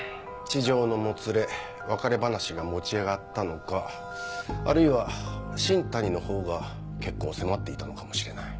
痴情のもつれ別れ話が持ち上がったのかあるいは新谷のほうが結婚を迫っていたのかもしれない。